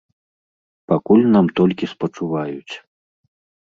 Пакуль нам толькі спачуваюць.